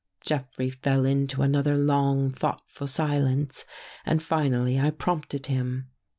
Jeffrey fell into another long, thoughtful silence and finally I prompted him.